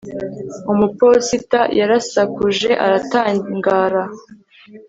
Umuposita yarasakuje aratangara